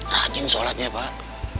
rajin solatnya pak